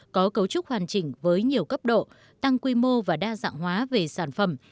có cấu trúc hoàn chỉnh với nhiều cấp độ tăng quy mô và đa dạng hóa về sản phẩm